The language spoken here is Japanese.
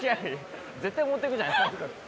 絶対持ってくじゃないですか。